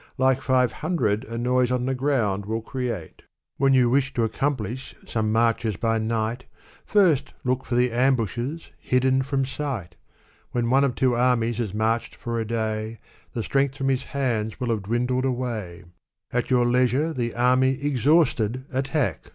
Like Five Hundred, a noise on the ground will create. Digitized by GtD f Google i ^:wr*4 w ^^<^i><^^ ><7^^< y^' Bustan. 331 When you wish to accomplish some marches by night, First, look for the ambushes, hidden from sight ! When one of two armies has marched for a day, The strength from his hands will have dwindled away ; At your leisure the army exhausted attack